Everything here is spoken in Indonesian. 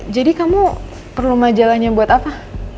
jadi kamu perlu majalahnya buat apa